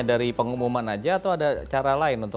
dari pengumuman aja atau ada cara lain